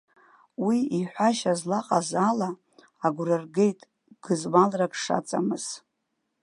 Уи иҳәашьа злаҟаз ала, агәра ргеит гызмалрак шаҵамыз.